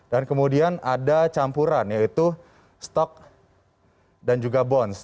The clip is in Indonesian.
dan kemudian ada campuran yaitu stok dan juga bonds